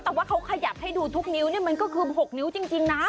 แต่ว่าเขาขยับให้ดูทุกนิ้วมันก็คือ๖นิ้วจริงนะ